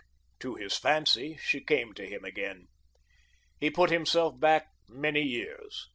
To his fancy, she came to him again. He put himself back many years.